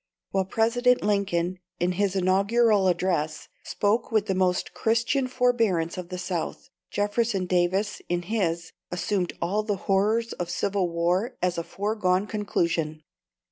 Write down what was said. While President Lincoln, in his Inaugural Address, spoke with the most Christian forbearance of the South, Jefferson Davis, in his, assumed all the horrors of civil war as a foregone conclusion.